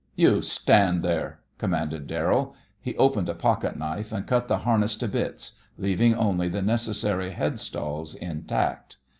"You stand there!" commanded Darrell. He opened a pocket knife, and cut the harness to bits, leaving only the necessary head stalls intact.